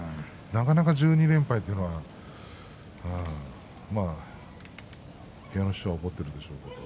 なかなか１２連敗というのは部屋の師匠は怒っているでしょうけどね。